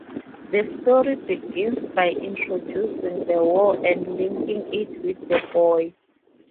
The story begins by introducing the war and linking it with the boy.